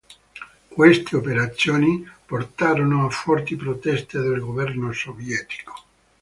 Queste operazioni portarono a forti proteste del governo sovietico.